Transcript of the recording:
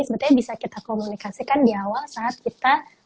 sebetulnya bisa kita komunikasikan di awal saat kita